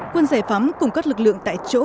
quân giải phóng cùng các lực lượng tại chỗ